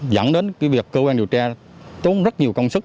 dẫn đến cái việc cơ quan điều tra trốn rất nhiều công sức